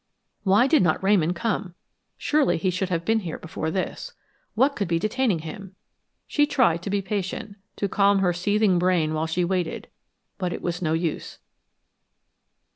Why did not Ramon come? Surely he should have been there before this. What could be detaining him? She tried to be patient, to calm her seething brain while she waited, but it was no use.